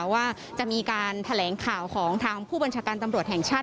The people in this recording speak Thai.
ว่าจะมีการแถลงข่าวของทางผู้บัญชาการตำรวจแห่งชาติ